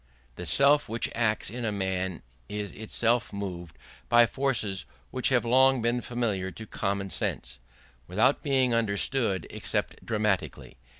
_ The self which acts in a man is itself moved by forces which have long been familiar to common sense, without being understood except dramatically.